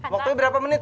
waktunya berapa menit